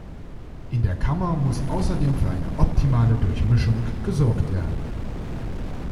In der Kammer muss außerdem für eine optimale Durchmischung gesorgt werden.